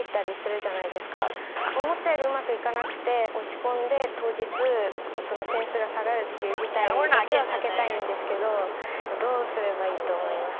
思ったよりうまくいかなくて落ち込んで当日点数が下がるっていう事態だけは避けたいんですけどどうすればいいと思いますか？